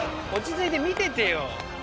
落ち着いて見ててよ。